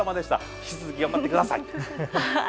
引き続き頑張ってください。